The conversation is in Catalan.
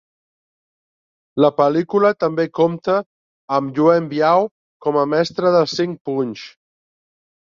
La pel·lícula també compta amb Yuen Biao com a "Mestre dels Cinc Punys".